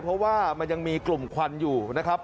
เพราะว่ามันยังมีกลุ่มควันอยู่นะครับ